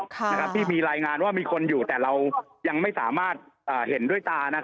ที่มีรายงานว่ามีคนอยู่แต่เรายังไม่สามารถเห็นด้วยตา